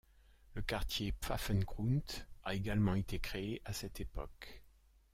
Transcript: Le quartier Pfaffengrund a également été créé à cette période.